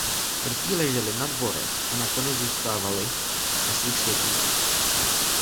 Mrtví leželi na dvorech a nakonec zůstávali ve svých světnicích.